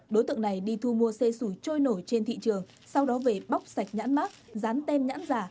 đối tượng này đi thu mua xe sủi trôi nổi trên thị trường sau đó về bóc sạch nhãn mát dán tem nhãn giả